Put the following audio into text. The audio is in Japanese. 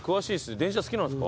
電車好きなんですか？